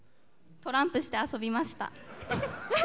トランプして遊びました。